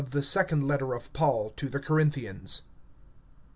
THE SECOND LETTER OF PAUL TO THE CORINTHIANS.